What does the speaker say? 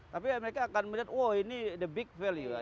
tapi mereka akan melihat oh ini the big value lah